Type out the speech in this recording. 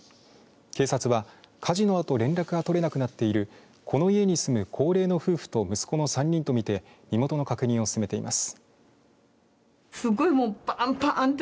警察は火事のあと連絡が取れなくなっているこの家に住む高齢の夫婦と息子の３人と見て身元の確認を進めています。